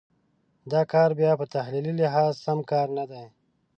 دا کار بیا په تحلیلي لحاظ سم کار نه دی.